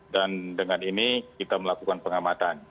dan dengan ini kita melakukan pengamatan